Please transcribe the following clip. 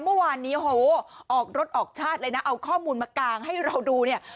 เมื่อวานนี้โหออกรถออกชาติเลยนะเอาข้อมูลมากางให้เราดูเนี่ย